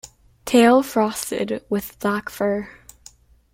Tail frosted with black fur.